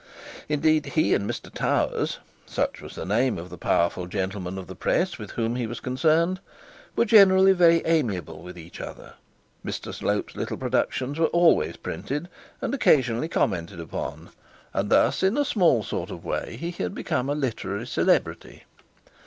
Indeed, he and Mr Towers such was the name of the powerful gentleman of the press with whom he was connected were generally very amiable with each other. Mr Slope's little productions were always printed and occasionally commented upon; and thus, in a small sort of way, he had become a literary celebrity.